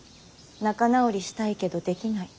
仲直りしたいけどできない。